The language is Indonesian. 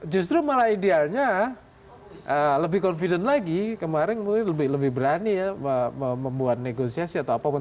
justru malah idealnya lebih confident lagi kemarin mungkin lebih berani ya membuat negosiasi atau apapun